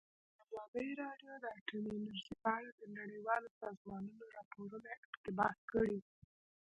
ازادي راډیو د اټومي انرژي په اړه د نړیوالو سازمانونو راپورونه اقتباس کړي.